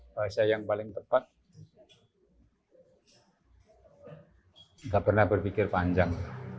bahasa yang paling tepat nggak pernah berpikir panjang